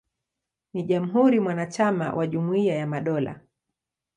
Ni jamhuri mwanachama wa Jumuiya ya Madola.